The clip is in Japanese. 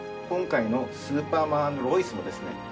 今回の「スーパーマン＆ロイス」もですね